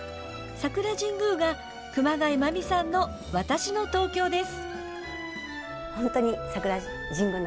桜神宮が熊谷真実さんの「わたしの東京」です。